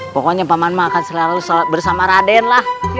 pokoknya paman mah akan selalu bersama raden lah